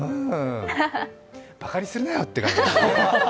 バカにするなよって感じ。